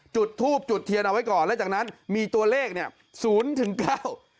จุดทูบจุดเทียนเอาไว้ก่อนแล้วจากนั้นมีตัวเลขเนี่ยศูนย์ถึงเก้า